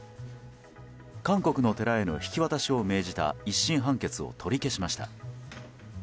韓国の寺への引き渡しを命じた１審判決を取り消しました。